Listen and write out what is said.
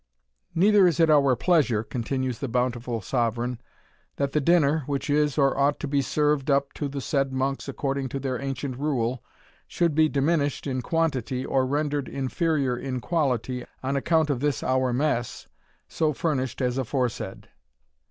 "Neither is it our pleasure," continues the bountiful sovereign, "that the dinner, which is or ought to be served up to the said monks according to their ancient rule, should be diminished in quantity, or rendered inferior in quality, on account of this our mess, so furnished as aforesaid."